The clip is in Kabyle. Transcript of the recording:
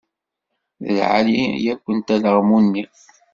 D lɛali-yakent alaɣmu-nni.